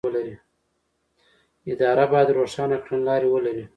اداره باید روښانه کړنلارې ولري.